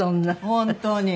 本当に。